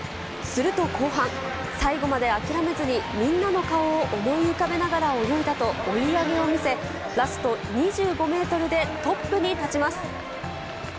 すると後半、最後まで諦めずにみんなの顔を思い浮かべながら泳いだと追い上げを見せ、ラスト２５メートルでトップに立ちます。